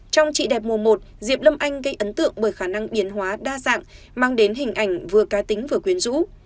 trong chị đẹp mùa một diệp lâm anh gây ấn tượng bởi khả năng biến hóa đa dạng mang đến hình ảnh vừa cá tính vừa quyến rũ